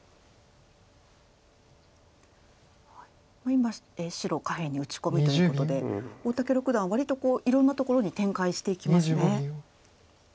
今白下辺に打ち込みということで大竹六段割といろんなところに展開していきますね。